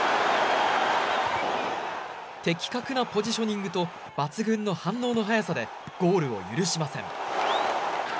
的確なポジショニングと抜群の反応の速さでゴールを許しません。